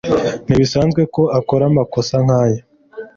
Ntibisanzwe ko akora amakosa nkaya.